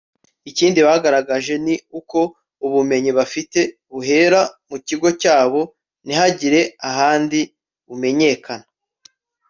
Ikindi bagaragaje ni uko ubumenyi bafite buhera mu kigo cyabo ntihagire ahandi bumenyekana